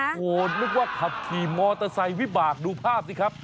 โอ้โหนึกว่าขับขี่มอเตอร์ไซค์วิบากดูภาพสิครับ